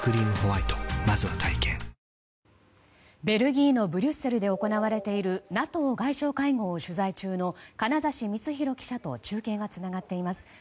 ベルギーのブリュッセルで行われているＮＡＴＯ外相会合を取材中の金指光宏記者と中継がつながっています。